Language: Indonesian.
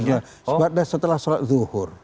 sebab setelah sholat zuhur